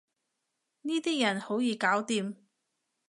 呢啲人好易搞掂